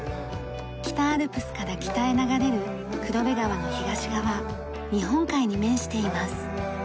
北アルプスから北へ流れる黒部川の東側日本海に面しています。